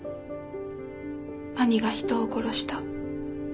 兄が人を殺した。